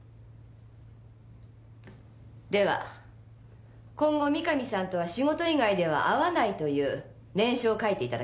では今後三神さんとは仕事以外では会わないという念書を書いていただけますか？